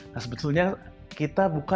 nah sebetulnya kita buka